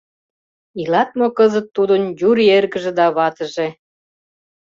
Илат мо кызыт тудын Юрий эргыже да ватыже?